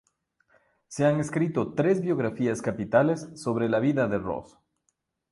Se han escrito tres biografías capitales sobre la vida de Ross.